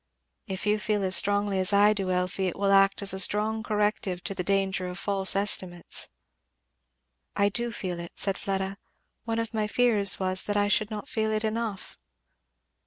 "If you feel that as strongly as I do, Elfie, it will act as a strong corrective to the danger of false estimates." "I do feel it," said Fleda. "One of my fears was that I should not feel it enough."